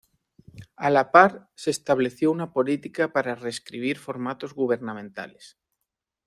A la par se estableció una política para reescribir formatos gubernamentales.